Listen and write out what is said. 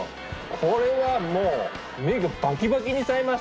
これはもう目がバキバキにさえましたわ。